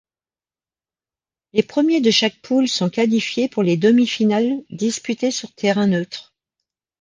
Les premiers de chaque poule sont qualifiés pour les demi-finales disputées sur terrain neutre.